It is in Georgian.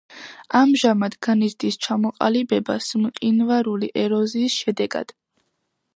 ამჟამად განიცდის ჩამოყალიბებას მყინვარული ეროზიის შედეგად.